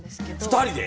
２人で？